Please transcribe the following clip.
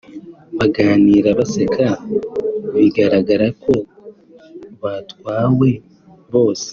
baganira baseka bigaragara ko batwawe bose